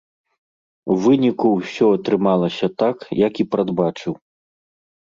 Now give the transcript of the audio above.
У выніку ўсё атрымалася так, як і прадбачыў.